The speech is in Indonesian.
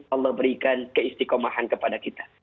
allah berikan keistikomahan kepada kita